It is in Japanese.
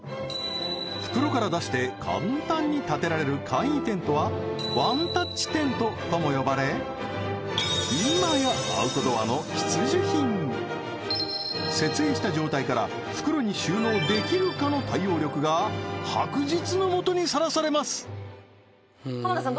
袋から出して簡単に立てられる簡易テントはワンタッチテントとも呼ばれ今や設営した状態から袋に収納できるかの対応力が白日の下にさらされます浜田さん